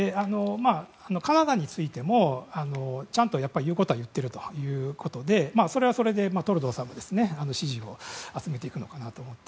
カナダについてもちゃんと言うことは言っているということでそれはそれでトルドーさんも支持を集めているのかなと。